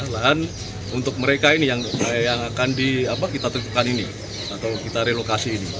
lahan untuk mereka ini yang akan kita tentukan ini atau kita relokasi ini